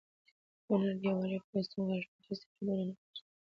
هنر د یووالي او پیوستون غږ دی چې سرحدونه نه پېژني.